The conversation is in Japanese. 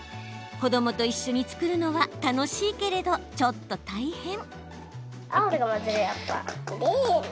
子どもと一緒に作るのは楽しいけれど、ちょっと大変。